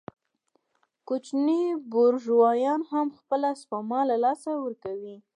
کوچني بورژوایان هم خپله سپما له لاسه ورکوي